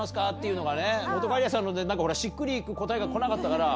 いうのが本仮屋さんのでしっくり行く答えが来なかったから。